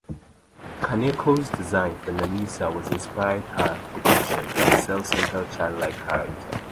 Kaneko's design for Nemissa was inspired her depiction as a self-centered childlike character.